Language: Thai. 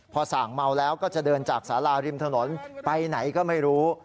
พอส่างเมาแล้วก็จะเดินจากสาราริมถนนไปไหนก็ไม่รู้